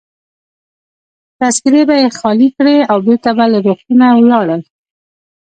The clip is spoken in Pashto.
تذکیرې به يې خالي کړې او بیرته به له روغتونه ولاړل.